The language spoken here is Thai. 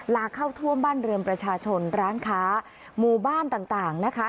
เข้าท่วมบ้านเรือนประชาชนร้านค้าหมู่บ้านต่างนะคะ